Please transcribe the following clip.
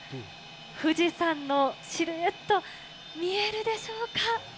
富士山のシルエット見えるでしょうか。